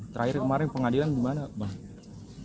terakhir kemarin pengadilan gimana bang